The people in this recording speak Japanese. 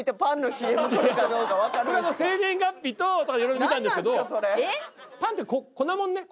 これは生年月日とあといろいろ見たんですけど。